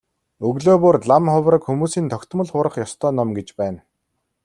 Өглөө бүр лам хувраг хүмүүсийн тогтмол хурах ёстой ном гэж байна.